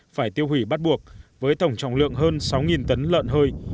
phải tiêu hủy bắt buộc với tổng trọng lượng hơn sáu tấn lợn hơi